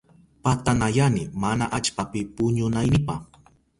Patanayani mana allpapi puñunaynipa.